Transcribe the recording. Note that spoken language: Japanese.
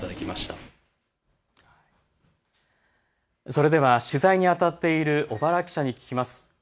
それでは取材にあたっている小原記者に聞きます。